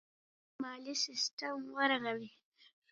خپل مالي سیستم ورغوي.